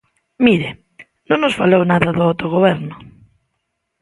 Mire, non nos falou nada de autogoberno.